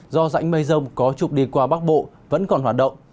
do rãnh mây rông có chụp đi qua bắc bộ vẫn còn hoạt động